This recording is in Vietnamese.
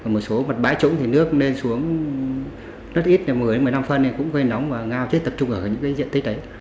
một số mặt bãi trúng thì nước lên xuống rất ít một mươi một mươi năm phân cũng gây nóng và ngao chết tập trung ở những diện tích đấy